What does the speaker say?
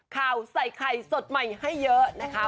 ข่าวใส่ไข่สดใหม่ให้เยอะนะคะ